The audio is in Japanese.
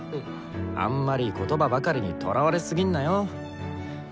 あんまり言葉ばかりにとらわれすぎんなよ。